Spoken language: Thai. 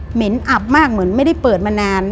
เห็นอับมากเหมือนไม่ได้เปิดมานาน